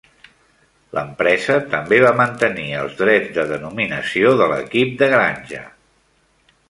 L'empresa també va mantenir els drets de denominació de l'equip de granja.